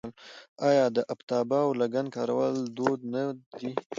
آیا د افتابه او لګن کارول دود نه دی؟